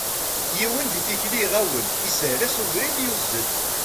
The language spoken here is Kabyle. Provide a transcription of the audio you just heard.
Yiwen di tikli iɣawel, ishel-as ubrid, yuzzel.